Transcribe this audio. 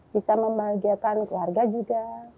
bisa membahagiakan keluarga juga